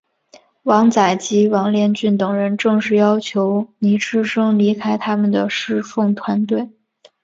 王载及王连俊等人正式要求倪柝声离开他们的事奉团队。